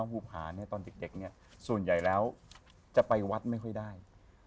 พูพานี่ตอนเด็กส่วนใหญ่แล้วจะไปวัดไม่ค่อยได้